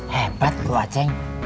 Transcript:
hebat tuh pak ceng